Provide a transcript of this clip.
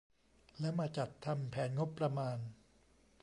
แล้วมาจัดทำแผนงบประมาณ